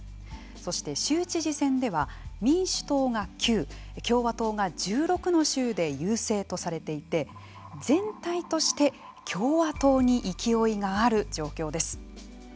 そして、州知事選では民主党が９、共和党が１６の州で優勢とされていて全体として共和党に勢いがある状況です。